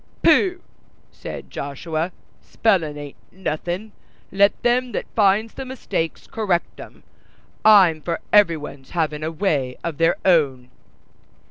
"Pooh!" said Joshua, "spellin' ain't nothin'; let them that finds the mistakes correct 'em. I'm for every one's havin' a way of their own."